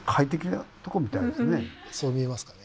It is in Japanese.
そう見えますかね。